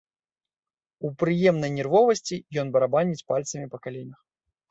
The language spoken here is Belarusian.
У прыемнай нервовасці ён барабаніць пальцамі па каленях.